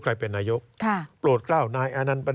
การเลือกตั้งครั้งนี้แน่